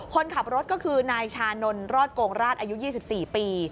คนขับรถก็คือนายชานนท์รอดโกงราชอายุ๒๔ปี